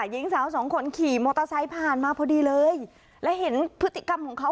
หญิงสาวสองคนขี่มอเตอร์ไซค์ผ่านมาพอดีเลยและเห็นพฤติกรรมของเขา